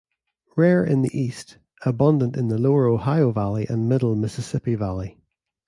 Rare in the east, abundant in the lower Ohio Valley and middle Mississippi Valley.